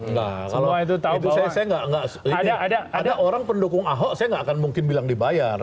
nah kalau itu saya nggak ada orang pendukung ahok saya nggak akan mungkin bilang dibayar